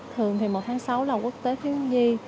thường thì một tháng sáu là quốc tế thiếu nhi